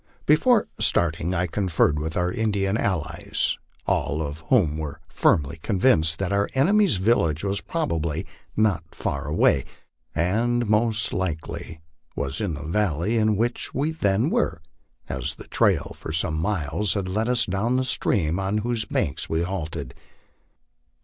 Before starting I conferred with our Indian allies, all of whom were firmly convinced that our enemy's village was probably not far away, and most likely was in the valley in which we then were, as the trail for some miles had led us down the stream on whose banks we halted.